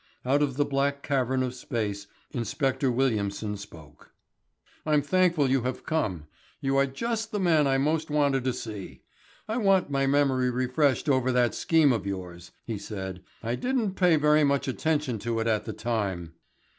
Out of the black cavern of space Inspector Williamson spoke. "I am thankful you have come. You are just the man I most wanted to see. I want my memory refreshed over that scheme of yours," he said. "I didn't pay very much attention to it at the time."